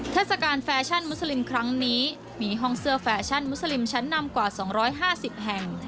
เทศกาลแฟชั่นมุสลิมครั้งนี้มีห้องเสื้อแฟชั่นมุสลิมชั้นนำกว่า๒๕๐แห่ง